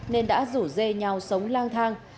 nên đã rủ dê nhau sống lăng